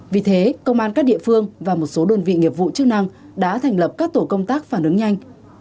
vì thế công an các địa phương và một số đơn vị nghiệp vụ chức năng đã thành lập các tổ công tác phản ứng nhanh